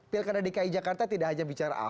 pilkada dki jakarta tidak saja bicara adil